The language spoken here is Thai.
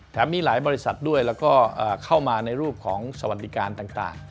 มีหลายบริษัทด้วยแล้วก็เข้ามาในรูปของสวัสดิการต่าง